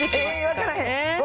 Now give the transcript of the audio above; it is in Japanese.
分からへん。